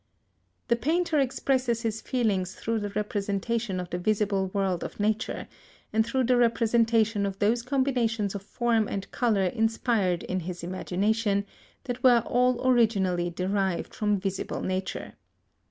The painter expresses his feelings through the representation of the visible world of Nature, and through the representation of those combinations of form and colour inspired in his imagination, that were all originally derived from visible nature.